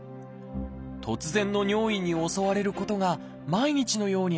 突然の尿意に襲われることが毎日のようにありました。